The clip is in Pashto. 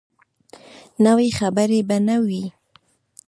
نوي خبرې به نه وي.